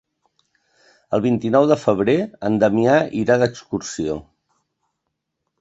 El vint-i-nou de febrer en Damià irà d'excursió.